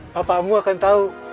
papamu akan tahu